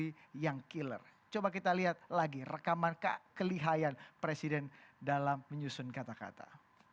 ini yang killer coba kita lihat lagi rekaman kekelihayan presiden dalam menyusun kata kata